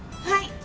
はい。